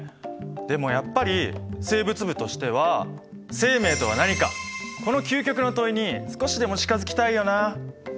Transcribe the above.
でもやっぱり生物部としてはこの究極の問いに少しでも近づきたいよなあ！